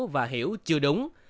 và hiểu chưa đúng